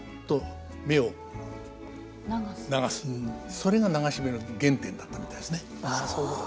それが流し目の原点だったみたいですね。